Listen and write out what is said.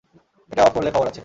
এটা অফ করলে খবর আছে।